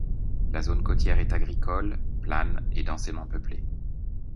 La zone côtière est agricole, plane et densément peuplée.